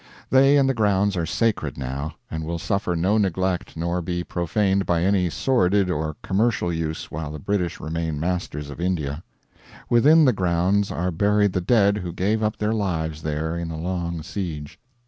They and the grounds are sacred now, and will suffer no neglect nor be profaned by any sordid or commercial use while the British remain masters of India. Within the grounds are buried the dead who gave up their lives there in the long siege.